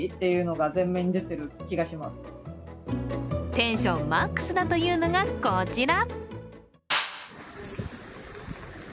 テンションマックスだというのがこちら。